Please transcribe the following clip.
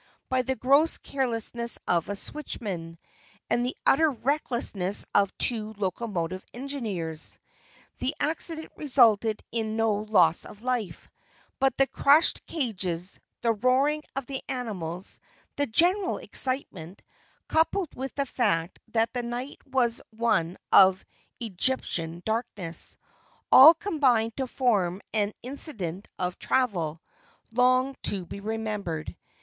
by the gross carelessness of a switchman, and the utter recklessness of two locomotive engineers. The accident resulted in no loss of life, but the crushed cages, the roaring of the animals, the general excitement, coupled with the fact that the night was one of Egyptian darkness, all combined to form an "incident of travel" long to be remembered.